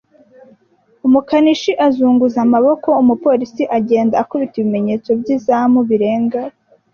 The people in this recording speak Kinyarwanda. Umukanishi azunguza amaboko, umupolisi agenda akubita, ibimenyetso by'izamu birenga,